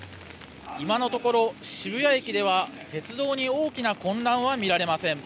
今のところ渋谷駅では鉄道に大きな混乱は見られません。